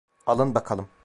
Alın bakalım.